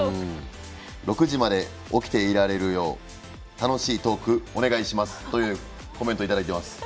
６時まで起きていられるよう楽しいトーク、お願いしますというコメントをいただきました。